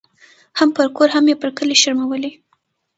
هم پر کور هم یې پر کلي شرمولې